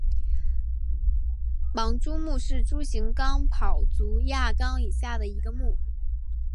盲蛛目是蛛形纲跑足亚纲以下的一个目。